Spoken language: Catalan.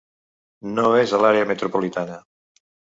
No és a l’àrea metropolitana.